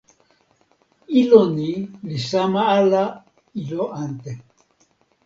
ilo ni li sama ala ilo ante.